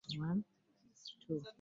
Kirungi taata okufaayo eri abaana be.